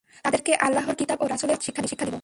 তাদেরকে আল্লাহর কিতাব ও রাসূলের সুন্নাত শিক্ষা দিব।